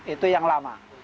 itu yang lama